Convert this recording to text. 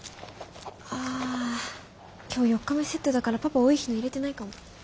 あ今日４日目セットだからパパ多い日の入れてないかも。